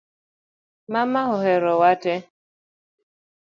Mama oherowa te